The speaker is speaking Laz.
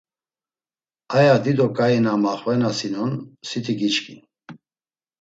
Aya dido k̆ai na maxvenasinon siti giçkin.